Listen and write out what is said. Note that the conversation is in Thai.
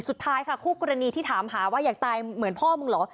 สุดท้ายค่ะคู่กรณีที่ถามหาว่าอยากตายเหมือนพ่อมึงเหรอ